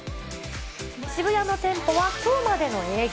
渋谷の店舗はきょうまでの営業。